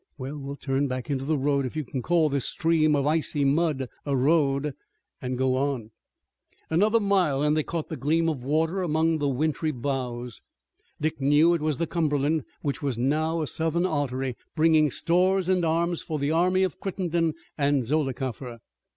Well, we'll turn back into the road, if you can call this stream of icy mud a road, and go on." Another mile and they caught the gleam of water among the wintry boughs. Dick knew that it was the Cumberland which was now a Southern artery, bringing stores and arms for the army of Crittenden and Zollicoffer.